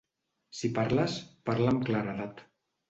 Si parles, parla amb claredat.